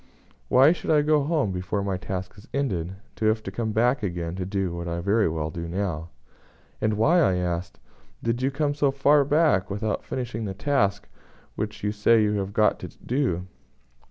Why should I go home before my task is ended, to have to come back again to do what I can very well do now?" "And why?" I asked, "did you come so far back without finishing the task which you say you have got to do?"